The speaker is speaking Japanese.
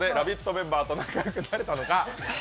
メンバーと仲良くなれたのか。